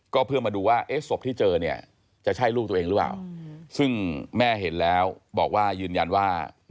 ก็เพื่อมาดูว่าศพที่เจอจะใช่ลูกตัวเองหรือเปล่า